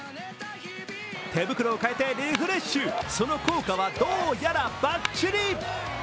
手袋を変えてリフレッシュ、その効果はどうやらバッチリ。